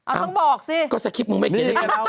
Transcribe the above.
เอาต้องบอกสิก็สะคิดมึงไม่เขียน